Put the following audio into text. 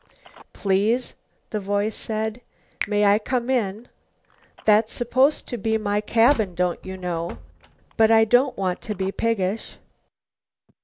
"Please," the voice said, "may I come in? That's supposed to be my cabin, don't you know? But I don't want to be piggish."